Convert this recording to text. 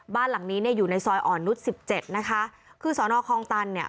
บ้านหลังนี้เนี่ยอยู่ในซอยอ่อนนุษย์สิบเจ็ดนะคะคือสอนอคลองตันเนี่ย